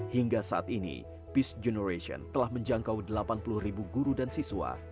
hingga saat ini peace generation telah menjangkau delapan puluh ribu guru dan siswa